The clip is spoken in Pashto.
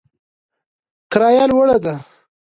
کرایه لوړه ده